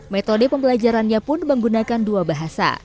metode pembelajarannya pun menggunakan dua bahasa